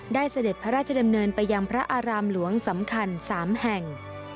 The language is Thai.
เสด็จพระราชดำเนินไปยังพระอารามหลวงสำคัญ๓แห่ง